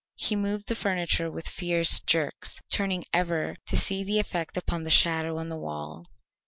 He moved the furniture with fierce jerks, turning ever to see the effect upon the shadow on the wall.